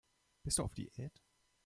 Bist du auf Diät?